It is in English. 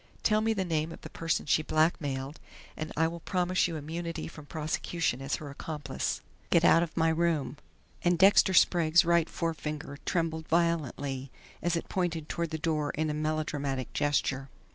Tell me the name of the person she blackmailed, and I will promise you immunity from prosecution as her accomplice." "Get out of my room!" and Dexter Sprague's right forefinger trembled violently as it pointed toward the door in a melodramatic gesture.